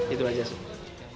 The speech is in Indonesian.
itu saja sih